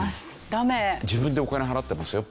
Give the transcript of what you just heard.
自分でお金払ってますよ